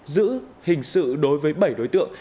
giữ hình sự đối với bảy đối tượng